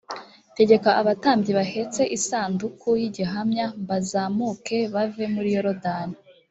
tegeka abatambyi bahetse isanduku y igihamya m bazamuke bave muri yorodani